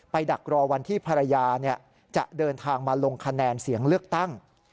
ดักรอวันที่ภรรยาจะเดินทางมาลงคะแนนเสียงเลือกตั้ง